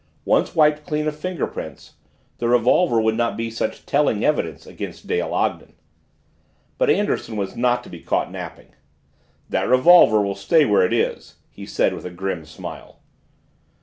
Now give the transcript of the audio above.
Once wiped clean of fingerprints, the revolver would not be such telling evidence against Dale Ogden. But Anderson was not to be caught napping. "That revolver will stay where it is," he said with a grim smile.